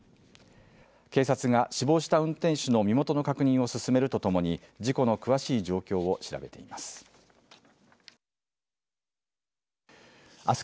警察が、死亡した運転手の身元の確認を進めるとともに事故の詳しい状況を調べています。